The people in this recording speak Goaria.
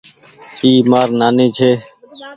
اي مآر نآني ڇي۔